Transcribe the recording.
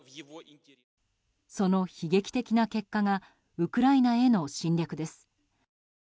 その悲劇的な結果がウクライナへの侵略です。